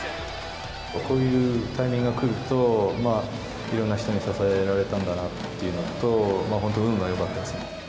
こういうタイミングが来ると、いろんな人に支えられたんだなというのと、本当、運がよかったですね。